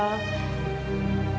berarti aku tinggal